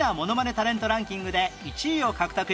タレントランキングで１位を獲得